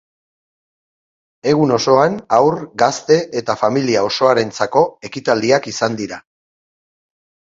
Egun osoan, haur, gazte eta familia osoarentzako ekitaldiak izan dira.